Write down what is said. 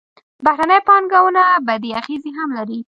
بهرنۍ پانګونه بدې اغېزې هم لري.